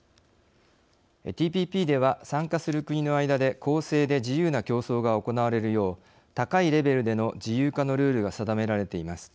ＴＰＰでは、参加する国の間で公正で自由な競争が行われるよう高いレベルでの自由化のルールが定められています。